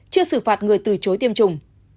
chưa xử phạt người từ chối tiêm chủng